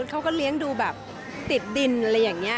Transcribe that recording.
เขาก็เลี้ยงดูแบบติดดินอะไรอย่างนี้